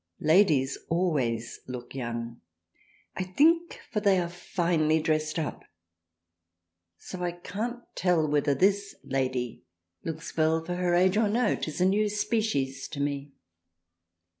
Ladies always look young, I think for they are finely dressed up so I can't tell whether this Lady looks well for her age or no, 'tis a new species to me."